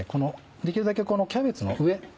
できるだけこのキャベツの上。